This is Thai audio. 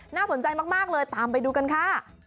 น่าสนใจมากเลยตามไปดูกันค่ะ